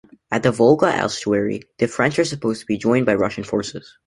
At the Volga estuary, the French were supposed to be joined by Russian forces.